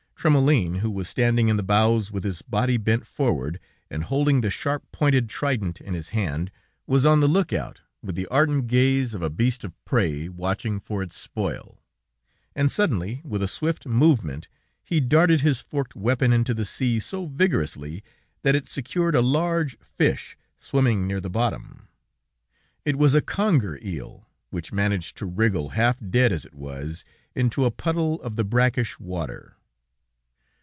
Trémoulin, who was standing in the bows with his body bent forward, and holding the sharp pointed trident in his hand, was on the look out with the ardent gaze of a beast of prey watching for its spoil, and, suddenly, with a swift movement, he darted his forked weapon into the sea so vigorously that it secured a large fish swimming near the bottom. It was a conger eel, which managed to wriggle, half dead as it was, into a puddle of the brackish water.